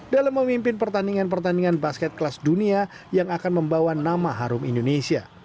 dalam memimpin pertandingan pertandingan basket kelas dunia yang akan membawa nama harum indonesia